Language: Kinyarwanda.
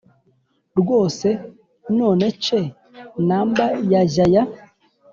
rwose nonece number yajya ya